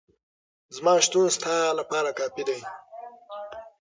زما شتون ستا لپاره کافي دی.